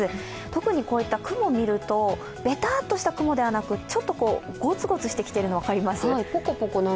特に雲を見るとべたっとした雲ではなく、ちょっとごつごつしてきているの、分かります？